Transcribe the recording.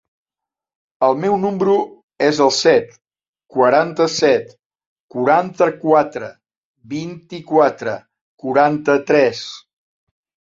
El meu número es el set, quaranta-set, quaranta-quatre, vint-i-quatre, quaranta-tres.